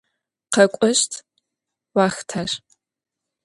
Khek'oşt vuaxhter.